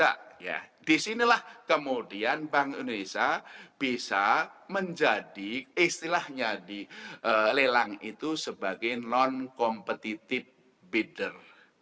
ya disinilah kemudian bank indonesia bisa menjadi istilahnya di lelang itu sebagai non competitive bitder